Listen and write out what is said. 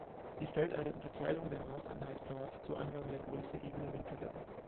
Sie stellt eine Unterteilung der Maßeinheit Grad zur Angabe der Größe ebener Winkel dar.